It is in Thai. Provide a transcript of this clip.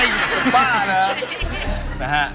ยัง